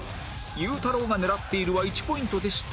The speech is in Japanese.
「ゆうたろうが狙っている」は１ポイントでしたが